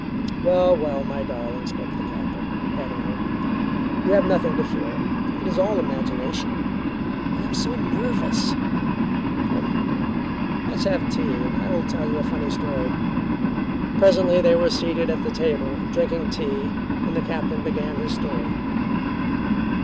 "Well, well, my darling," spoke the Captain, petting her. "You have nothing to fear. It is all imagination." "But I am so nervous." "Come, my dear. Let's have tea and I will tell you a funny story." Presently they were seated at the table drinking tea, and the Captain began his story.